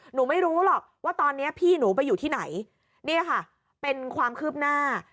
หนูไม่รู้หรอกว่าตอนนี้พี่หนูไปอยู่ที่ไหนเนี่ยค่ะเป็นความคืบหน้า